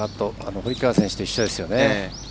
堀川選手と一緒ですよね。